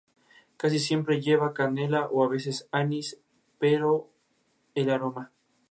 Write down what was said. Casi siempre lleva canela, o a veces anís, para el aroma.